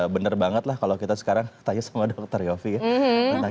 bener banget lah kalau kita sekarang tanya sama dokter yofi ya